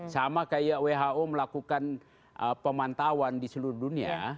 sama kayak who melakukan pemantauan di seluruh dunia